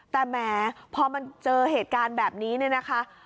แต่แหมพอมันเจอเหตุการณ์แบบนี้เนี่ยนะคะ